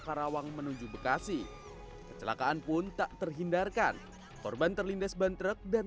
karawang menuju bekasi kecelakaan pun tak terhindarkan korban terlindas bantrek dan